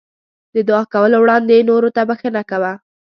د دعا کولو وړاندې نورو ته بښنه کوه.